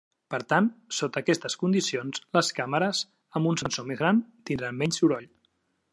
Per tant, sota aquestes condicions, les càmeres amb un sensor més gran, tindran menys soroll.